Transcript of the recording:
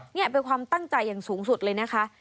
นี่เป็นความตั้งใจอย่างสูงสุดเลยนะคะ